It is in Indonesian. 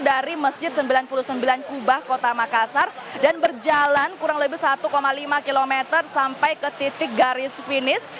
dari masjid sembilan puluh sembilan kubah kota makassar dan berjalan kurang lebih satu lima km sampai ke titik garis finish